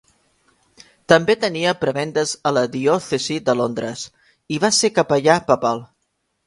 També tenia prebendes a la diòcesi de Londres i va ser capellà papal.